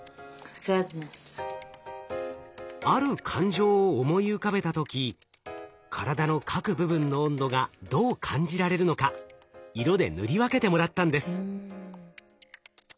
ある感情を思い浮かべた時体の各部分の温度がどう感じられるのか色で塗り分けてもらったんです。